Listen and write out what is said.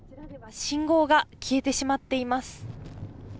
信号が消えてしまっています。